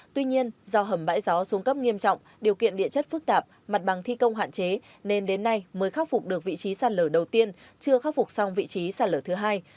tuy nhiên do hầm bãi gió xuống cấp nghiêm trọng điều kiện địa chất phức tạp mặt bằng thi công hạn chế nên đến nay mới khắc phục được vị trí sạt lở đầu tiên chưa khắc phục xong vị trí sạt lở thứ hai